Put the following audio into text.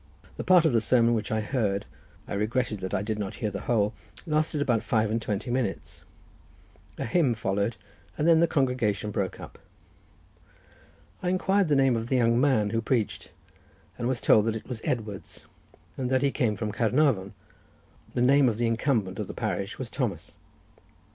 The part of the sermon which I heard—I regretted that I did not hear the whole—lasted about five and twenty minutes: a hymn followed, and then the congregation broke up. I inquired the name of the young man who preached, and was told that it was Edwards, and that he came from Caernarvon. The name of the incumbent of the parish was Thomas.